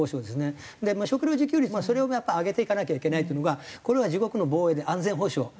で食料自給率それをやっぱ上げていかなきゃいけないっていうのがこれは自国の防衛で安全保障。